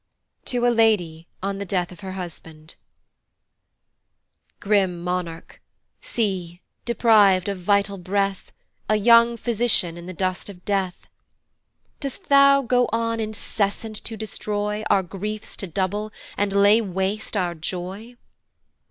To a Lady on the Death of her Husband. GRIM monarch! see, depriv'd of vital breath, A young physician in the dust of death: Dost thou go on incessant to destroy, Our griefs to double, and lay waste our joy?